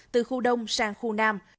từ khu đông sang khu nam